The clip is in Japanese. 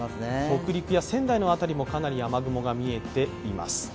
北陸や仙台の辺りもかなり雨雲が見えています。